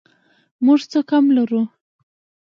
موږ څه کم لرو؟